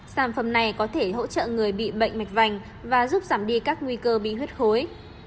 sản phẩm này có thể hỗ trợ người bị bệnh mạch vành và giúp giảm đi các nguy cơ bị huyết khối